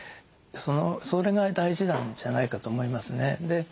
それが大事なんじゃないかと思いますね。